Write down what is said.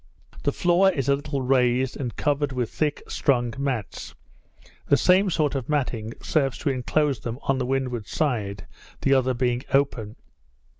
The floor is a little raised, and covered with thick strong mats; the same sort of matting serves to inclose them on the windward side, the other being open.